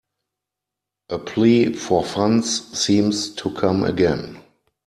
A plea for funds seems to come again.